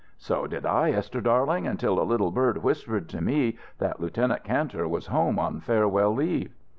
"So did I, Esther darling, until a little bird whispered to me that Lieutenant Kantor was home on farewell leave."